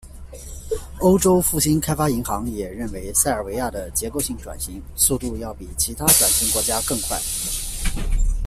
欧洲复兴开发银行也认为塞尔维亚的结构性转型，速度要比其它转型国家更快。